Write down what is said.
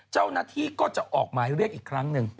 เจ้าหน้าที่ก็จะออกหมายเรียกอีกครั้งหนึ่ง